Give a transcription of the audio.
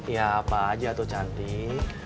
ya apa aja tuh cantik